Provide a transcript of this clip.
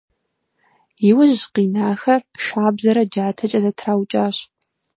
Иужь къинахэр шабзэрэ джатэкӏэ зэтраукӏащ.